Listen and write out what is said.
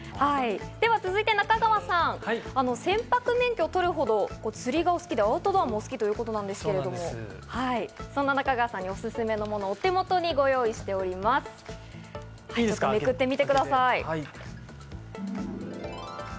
続いて中川さん、船舶免許を取るほど釣りがお好きで、アウトドアもお好きということですけど、そんな中川さんにおすすめなもの、お手元にご用意しております。